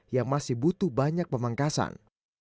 yang masih butuh banyak pemangkasan